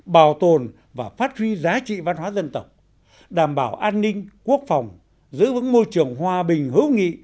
bảo tồn và phát huy giá trị văn hóa dân tộc đảm bảo an ninh quốc phòng giữ vững môi trường hòa bình hữu nghị